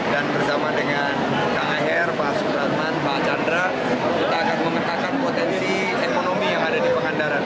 dan bersama dengan kang ayer pak subratman pak chandra kita akan mengetahkan potensi ekonomi yang ada di pahandaran